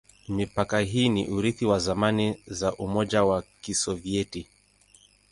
Mipaka hii ni urithi wa zamani za Umoja wa Kisovyeti.